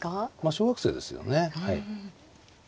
小学生ですよね。